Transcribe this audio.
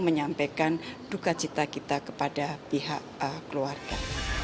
menyampaikan duka cita kita kepada pihak keluarga